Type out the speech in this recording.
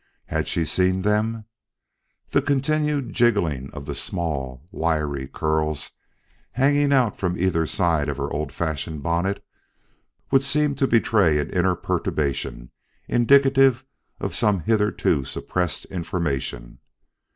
Had she seen them? The continued jigging of the small, wiry curls hanging out from either side of her old fashioned bonnet would seem to betray an inner perturbation indicative of some hitherto suppressed information.